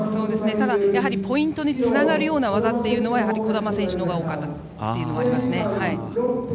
ただ、やはりポイントにつながるような技は児玉選手のほうが多かったというのがありますね。